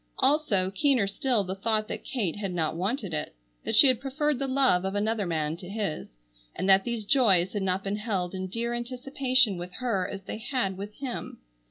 Also, keener still the thought that Kate had not wanted it: that she had preferred the love of another man to his, and that these joys had not been held in dear anticipation with her as they had with him.